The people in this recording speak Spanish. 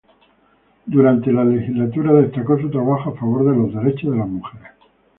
Durante la legislatura destacó su trabajo a favor de los derechos de las mujeres.